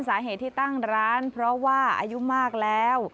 สาเหตุที่ตั้งร้านเพราะว่าอายุมากแล้ว